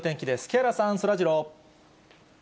木原さん、そらジロー。